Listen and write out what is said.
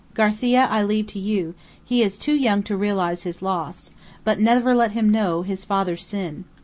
Garcia I leave to you; he is too young to realize his loss; but never let him know his father's sin!"